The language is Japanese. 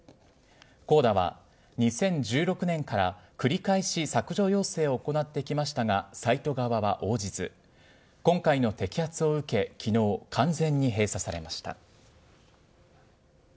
ＣＯＤＡは、２０１６年から繰り返し削除要請を行ってきましたが、サイト側は応じず、今回の摘発を受け、きのう、完全に閉鎖されました。